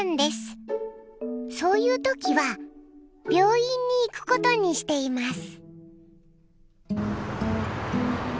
そういう時は病院に行くことにしています！